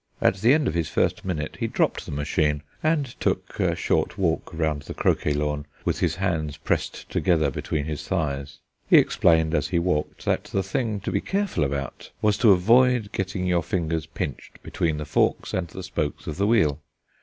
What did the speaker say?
At the end of his first minute he dropped the machine, and took a short walk round the croquet lawn, with his hands pressed together between his thighs. He explained as he walked that the thing to be careful about was to avoid getting your fingers pinched between the forks and the spokes of the wheel.